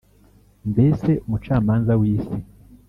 Mb ese umucamanza w isi